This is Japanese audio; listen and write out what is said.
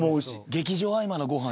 劇場合間のご飯